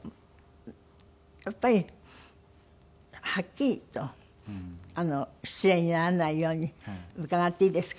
やっぱりはっきりと失礼にならないように「伺っていいですか？」